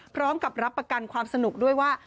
พร้อมกับรับประกันความสนุกด้วยว่า